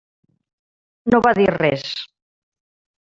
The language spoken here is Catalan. No va dir res.